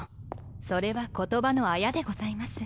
それは言葉のあやでございます。